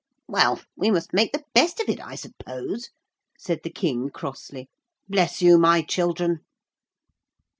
'Well, we must make the best of it, I suppose,' said the King crossly. 'Bless you, my children.'